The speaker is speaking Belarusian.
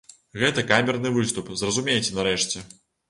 Гэта камерны выступ, зразумейце нарэшце.